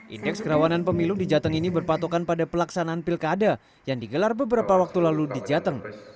indeks kerawanan pemilu di jateng ini berpatokan pada pelaksanaan pilkada yang digelar beberapa waktu lalu di jateng